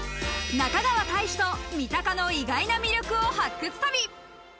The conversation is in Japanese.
中川大志と三鷹の意外な魅力を発掘旅。